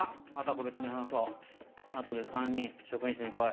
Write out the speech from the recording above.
あとは個別に話そう後で３人職員室に来い。